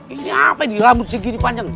ini apa ini rambut segini panjang